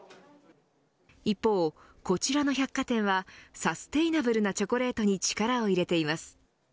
一方、こちらの百貨店はサステイナブルなチョコレートに力を入れています。